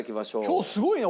今日すごいね。